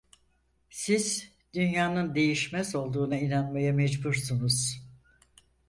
Siz dünyanın değişmez olduğuna inanmaya mecbursunuz!